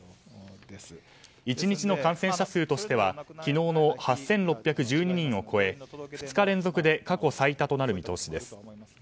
１日の感染者数としては昨日の８６１２人を超え２日連続で過去最多となる見通しです。